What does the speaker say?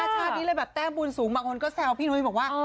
ชาตินี้เลยแบบแต้มบุญสูงบางคนก็แซวพี่นุ้ยบอกว่า